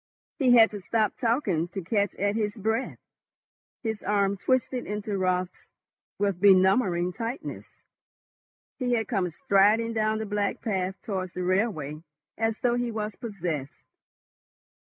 He had to stop talking to catch at his breath. His arm twisted into Raut's with benumbing tightness. He had come striding down the black path towards the railway as though he was possessed.